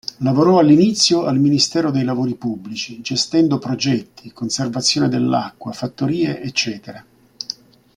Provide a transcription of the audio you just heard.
Lavorò all'inizio al ministero dei lavori pubblici, gestendo progetti, conservazione dell'acqua, fattorie ecc.